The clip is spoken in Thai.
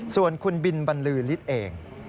ส่วนคุณบินบรรลือฤทธิ์เอง